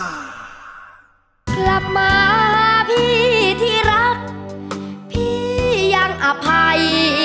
กลับมาพี่ที่รักพี่ยังอภัย